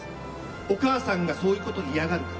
お母さんがそういうことを嫌がるから。